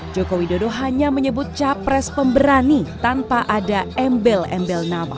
joko widodo hanya menyebut capres pemberani tanpa ada embel embel nama